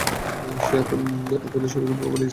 সে আপনাদের সবাইকে বোকা বানিয়েছে!